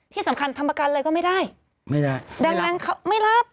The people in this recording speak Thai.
ที่สำคัญทำประกันเลยก็ไม่ได้ไม่ได้ดังนั้นเขาไม่รับ